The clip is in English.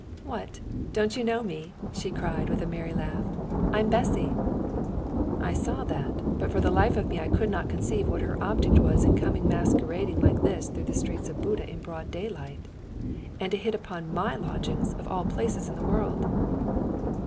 "What! don't you know me?" she cried, with a merry laugh. "I'm Bessy!" I saw that, but for the life of me I could not conceive what her object was in coming masquerading like this through the streets of Buda in broad daylight. And to hit upon my lodgings of all places in the world!